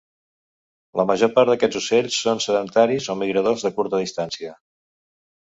La major part d'aquests ocells són sedentaris o migradors de curta distància.